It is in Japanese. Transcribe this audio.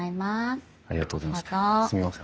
すみません